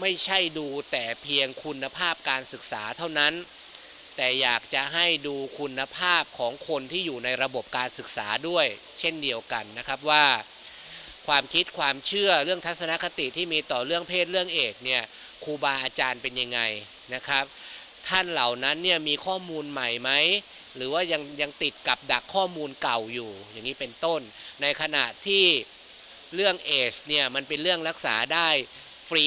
ไม่ใช่ดูแต่เพียงคุณภาพการศึกษาเท่านั้นแต่อยากจะให้ดูคุณภาพของคนที่อยู่ในระบบการศึกษาด้วยเช่นเดียวกันนะครับว่าความคิดความเชื่อเรื่องทัศนคติที่มีต่อเรื่องเพศเรื่องเอกเนี่ยครูบาร์อาจารย์เป็นยังไงนะครับท่านเหล่านั้นเนี่ยมีข้อมูลใหม่ไหมหรือว่ายังติดกับดักข้อมูลเก่าอยู่อย่างนี้